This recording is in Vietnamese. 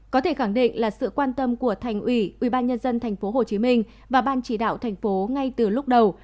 có thể khẳng định là sự quan tâm của thành ủy ubnd tp hcm và ban chỉ đạo thành phố ngay từ lúc đầu